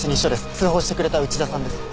通報してくれた内田さんですか？